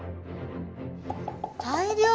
大量！